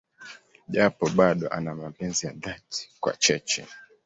Japo bado ana mapenzi ya dhati kwa Cheche.